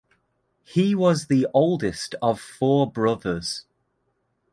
He was the oldest of four brothers.